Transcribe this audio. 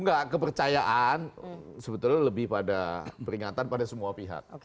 enggak kepercayaan sebetulnya lebih pada peringatan pada semua pihak